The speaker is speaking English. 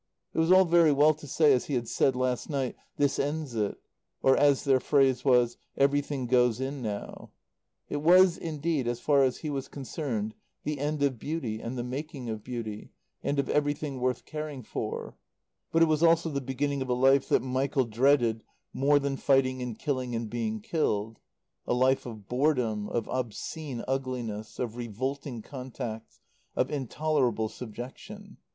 It was all very well to say, as he had said last night: "This ends it"; or, as their phrase was, "Everything goes in now." It was indeed, as far as he was concerned, the end of beauty and of the making of beauty, and of everything worth caring for; but it was also the beginning of a life that Michael dreaded more than fighting and killing and being killed: a life of boredom, of obscene ugliness, of revolting contacts, of intolerable subjection.